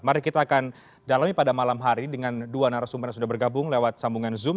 mari kita akan dalami pada malam hari dengan dua narasumber yang sudah bergabung lewat sambungan zoom